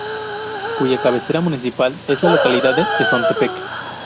Cuya cabecera municipal es la localidad de Tezontepec.